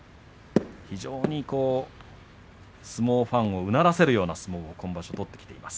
非常に相撲ファンをうならせるような相撲を今場所取ってきています